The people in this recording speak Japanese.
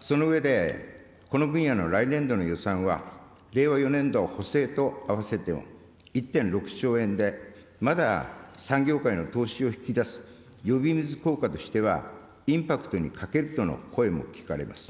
その上でこの分野の来年度の予算は、令和４年度補正と合わせても１．６兆円で、まだ産業界の投資を引き出す呼び水効果としては、インパクトに欠けるとの声も聞かれます。